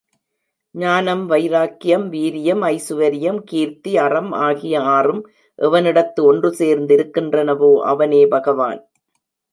ஞானம், வைராக்கியம், வீரியம், ஐசுவரியம், கீர்த்தி, அறம் ஆகிய ஆறும் எவனிடத்து ஒன்று சேர்ந்திருக்கின்றனவோ அவனே பகவான்.